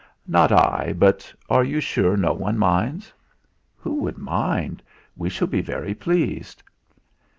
"Not I. But are you sure no one minds?" "Who would mind? We shall be very pleased."